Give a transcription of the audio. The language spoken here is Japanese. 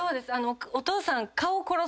お父さん。